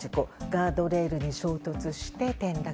ガードレールに衝突して転落。